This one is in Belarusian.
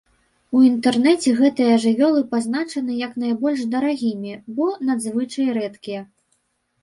У інтэрнэце гэтыя жывёлы пазначаны як найбольш дарагімі, бо надзвычай рэдкія.